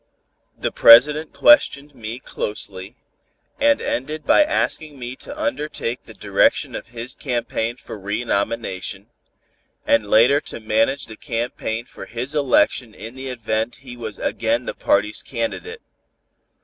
The President questioned me closely, and ended by asking me to undertake the direction of his campaign for re nomination, and later to manage the campaign for his election in the event he was again the party's candidate.